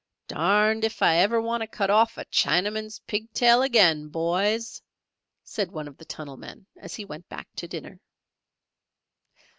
"Darned ef I ever want to cut off a Chinaman's pig tail again, boys," said one of the tunnel men as he went back to dinner.